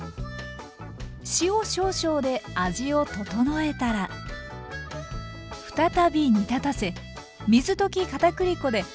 塩少々で味を調えたら再び煮立たせ水溶きかたくり粉でとろみをつけます。